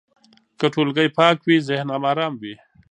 که ټولګی پاک وي، ذهن هم ارام وي.